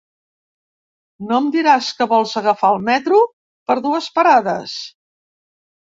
No em diràs que vols agafar el metro per dues parades?